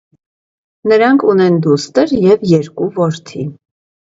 Նրանք ունեն դուստր և երկու որդի։